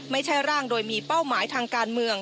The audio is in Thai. ไม่ใช่ร่างโดยมีเป้าหมายทางการเมือง